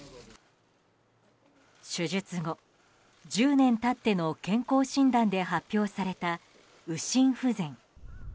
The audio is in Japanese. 手術後、１０年経っての健康診断で発表された右心不全。